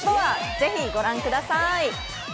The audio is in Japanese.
ぜひご覧ください。